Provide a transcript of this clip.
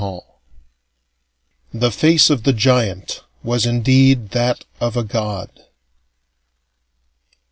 Hall "The face of the giant was indeed that of a god...."